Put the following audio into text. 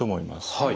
はい。